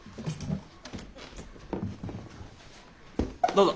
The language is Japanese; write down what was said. どうぞ。